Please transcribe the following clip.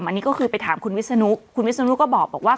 อันนี้ก็คือไปถามคุณวิศนุคุณวิศนุก็บอกว่า